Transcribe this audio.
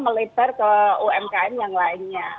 kemudian pembinaan yang ada di umkm yang lainnya